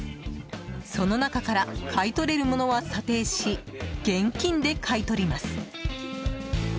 その中から買い取れるものは査定し現金で買い取ります。